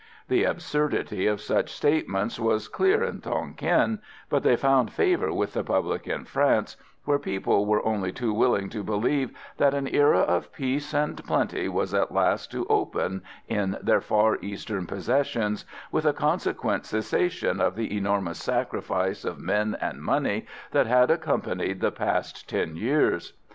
The absurdity of such statements was clear in Tonquin, but they found favour with the public in France, where people were only too willing to believe that an era of peace and plenty was at last to open in their Far Eastern possessions, with a consequent cessation of the enormous sacrifices of men and money that had accompanied the past ten years.